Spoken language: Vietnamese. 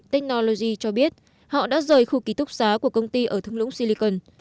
technology cho biết họ đã rời khu ký túc xá của công ty ở thung lũng silicon